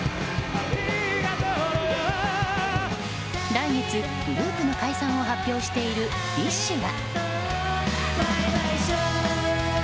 来月、グループの解散を発表しているＢｉＳＨは。